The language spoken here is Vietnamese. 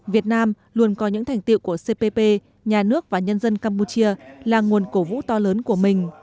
việt nam luôn có những thành tiệu của cpp nhà nước và nhân dân campuchia là nguồn cổ vũ to lớn của mình